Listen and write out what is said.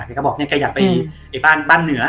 แกก็บอกแกอยากไปบ้านเหนือ